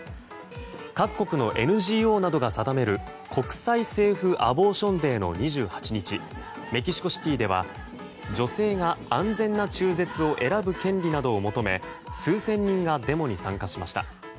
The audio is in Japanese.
各国のＮＧＯなどが定める国際セーフアボーションデーの２８日メキシコシティでは女性が安全な中絶を選ぶ権利などを求め数千人がデモに参加しました。